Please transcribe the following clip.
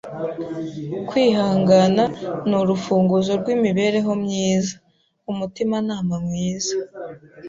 Kwihangana nurufunguzo rwimibereho myiza. Umutimanama mwiza.